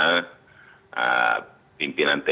dan bapak wakil gubernur gorontalo